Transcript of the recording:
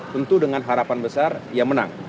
tentu dengan harapan besar ia menang